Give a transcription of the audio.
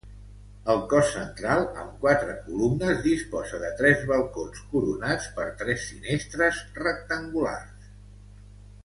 El cos central, amb quatre columnes, disposa de tres balcons coronats per tres finestres rectangulars.